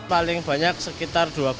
paling banyak sekitar dua puluh